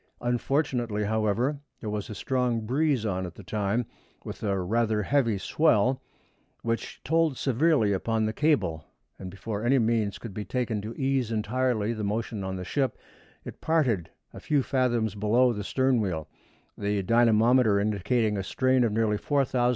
Unfortunately, however, there was a strong breeze on at the time, with rather a heavy swell, which told severely upon the cable, and before any means could be taken to ease entirely the motion on the ship, it parted a few fathoms below the stern wheel, the dynamometer indicating a strain of nearly 4,000 lbs.